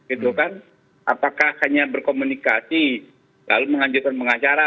itu kan apakah hanya berkomunikasi lalu menganjurkan pengacara